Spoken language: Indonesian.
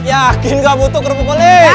yakin gak butuh kerupuk kulit